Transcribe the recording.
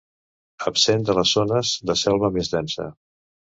Absent de les zones de selva més densa.